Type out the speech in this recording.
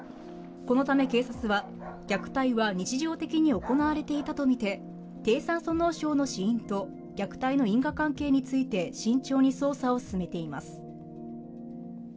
このため警察は、虐待は日常的に行われていたと見て、低酸素脳症の死因と虐待の因果関係について慎重に捜査を進めています。